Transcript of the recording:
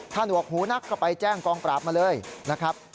ถ้าหนวกหูนักก็ไปแจ้งกองปราบมาเลยนะครับ